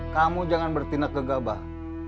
kamu jangan bertindak gegabah